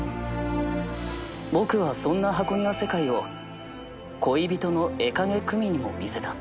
僕はそんな箱庭世界を恋人の絵影久美にも見せた。